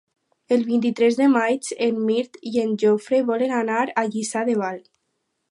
El vint-i-tres de maig en Mirt i en Jofre volen anar a Lliçà de Vall.